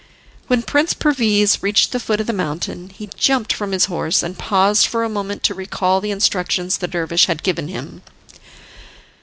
When Prince Perviz reached the foot of the mountain he jumped from his horse, and paused for a moment to recall the instructions the dervish had given him.